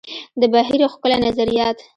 د بهیر ښکلي نظریات.